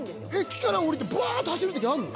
木から下りてブワっと走る時あんの？